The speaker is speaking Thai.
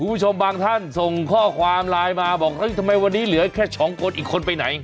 คุณผู้ชมบางท่านส่งข้อความไลน์มาบอกเฮ้ยทำไมวันนี้เหลือแค่สองคนอีกคนไปไหน